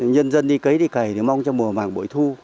nhân dân đi cấy đi cầy thì mong cho mùa mảng buổi thu